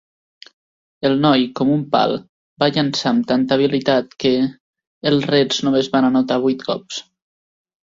El noi, com un pal, va llançar amb tanta habilitat que ... els Reds només van anotar vuit cops.